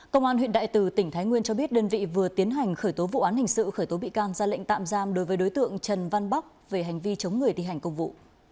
công an huyện đại từ tỉnh thái nguyên cho biết đơn vị vừa tiến hành khởi tố vụ án hình sự khởi tố bị can ra lệnh tạm giam đối với đối tượng trần văn bắc về hành vi chống người thi hành công vụ